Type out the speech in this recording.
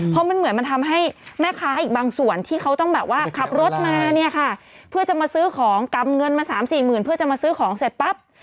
เพราะมันเหมือนมันทำให้แม่ค้าอีกบางส่วนที่เขาต้องแบบว่าขับรถมาเนี่ยค่ะเพื่อจะมาซื้อของกำเงินมาสามสี่หมื่นเพื่อจะมาซื้อของเสร็จปั๊บ